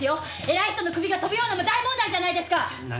偉い人の首が飛ぶような大問題じゃないですか！